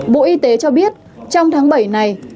bộ y tế cho biết trong tháng bảy này